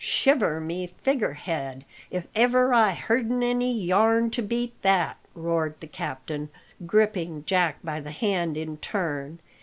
"Shiver my figger head if ever I hear'd any yarn to beat that!" roared the captain, gripping Jack by the hand in turn.